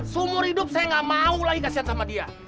semur hidup saya nggak mau lagi kasihan sama dia